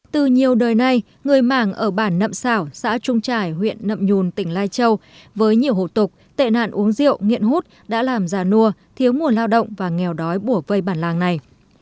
từ nhiều đời nay người mảng ở bản nậm xảo xã trung trải huyện nậm nhùn tỉnh lai châu với nhiều hộ tục tệ nạn uống rượu nghiện hút đã làm già nua thiếu nguồn lao động và nghèo đói bổa vây bản làng này